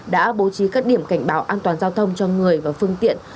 đã bố trí các điểm cảnh báo an toàn giao thông cho người và phương tiện